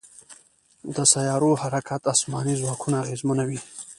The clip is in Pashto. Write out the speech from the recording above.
د سیارو حرکت اسماني ځواکونه اغېزمنوي.